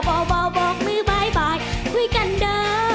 บอกบอกบอกมือบายบายคุยกันเด้อ